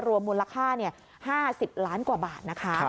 รวมมูลค่า๕๐ล้านกว่าบาทนะคะ